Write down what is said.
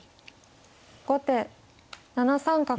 後手７三角。